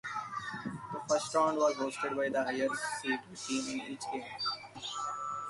The first round was hosted by the higher seeded team in each game.